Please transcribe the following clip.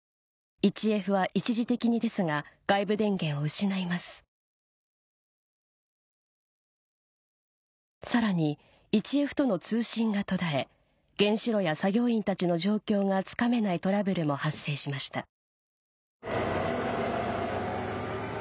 １Ｆは一時的にですが外部電源を失いますさらに１Ｆとの通信が途絶え原子炉や作業員たちの状況がつかめないトラブルも発生しました